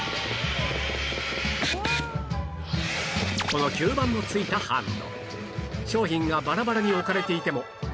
この吸盤の付いたハンド商品がバラバラに置かれていても確実にキャッチ！